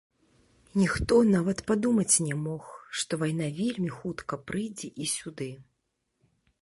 Ніхто нават падумаць не мог, што вайна вельмі хутка прыйдзе і сюды.